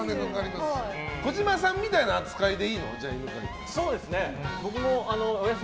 児嶋さんみたいな扱いでいいの？